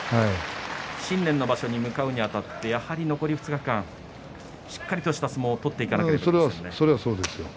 新年の場所を迎えるにあたってやはり残り２日間しっかりとした相撲を取っていかなければいけませんね。